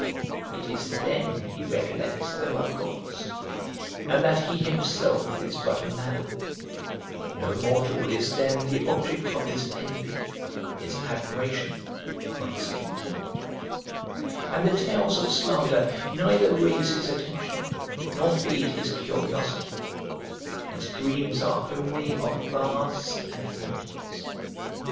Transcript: It is then he recollects there are gods, and that he himself is but a man: no mortal is then the object of his envy, his admiration, or his contempt; and the tales of slander neither raise his attention nor feed his curiosity: his dreams are only of baths and fountains.